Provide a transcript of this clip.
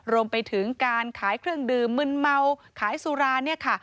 รวมไปถึงการขายเครื่องดืมมึนเมาขายสุรา